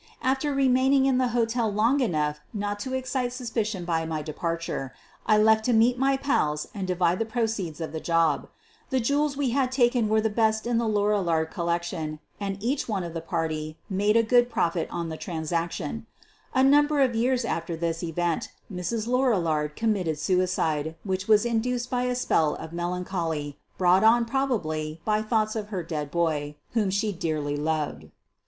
After remaining in the hotel long enough not to excite suspicion by my departure, I left to meet my pals and divide the proceeds of the job. The jewels we had taken were the best in the Lorillard collec tion, and each one of the party made a good profit on the transaction. A number of years after this event Mrs. Lorillard committed suicide, which was induced by a spell of melancholy, brought on prob ably by thoughts of her dead boy, whom she dearly loved.